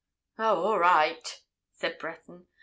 "Oh, all right!" said Breton.